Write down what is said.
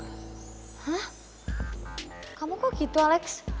hah kamu kok gitu alex